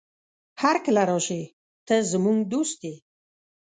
هرکله راشې، ته زموږ دوست يې.